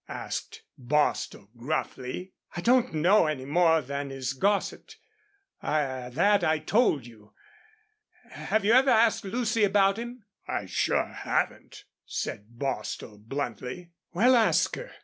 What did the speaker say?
asked Bostil, gruffly. "I don't know any more than is gossiped. That I told you. Have you ever asked Lucy about him?" "I sure haven't," said Bostil, bluntly. "Well, ask her.